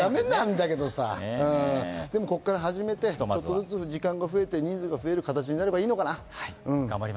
ここから始めて少しずつ時間が増えて人数が増える形になればいいのか。